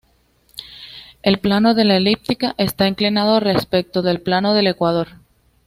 El plano de la eclíptica está inclinado respecto del plano del ecuador.